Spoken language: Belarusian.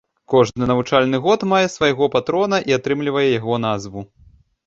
Кожны навучальны год мае свайго патрона і атрымлівае яго назву.